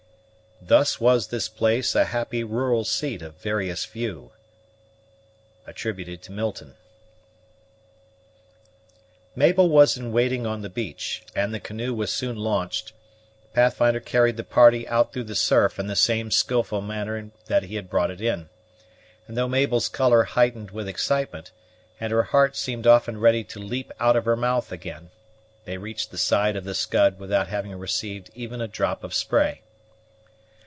Thus was this place A happy rural seat of various view. MILTON. Mabel was in waiting on the beach, and the canoe was soon launched. Pathfinder carried the party out through the surf in the same skillful manner that he had brought it in; and though Mabel's color heightened with excitement, and her heart seemed often ready to leap out of her mouth again, they reached the side of the Scud without having received even a drop of spray.